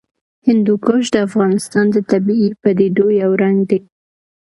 هندوکش د افغانستان د طبیعي پدیدو یو رنګ دی.